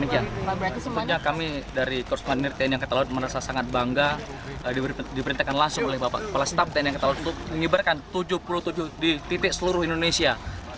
ya tentunya kami dari kosmarinir tni ketalur merasa sangat bangga diberikan langsung oleh bapak kepala staf tni ketalur untuk mengibarkan tujuh puluh tujuh di titik seluruh indonesia